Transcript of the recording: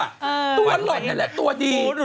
ตัวอ่ะหล่อนก็แหละตัวดี